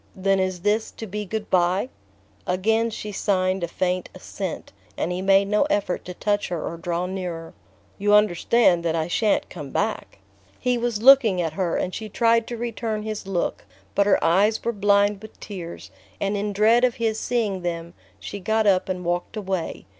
"Then is this to be good bye?" Again she signed a faint assent, and he made no effort to touch her or draw nearer. "You understand that I sha'n't come back?" He was looking at her, and she tried to return his look, but her eyes were blind with tears, and in dread of his seeing them she got up and walked away.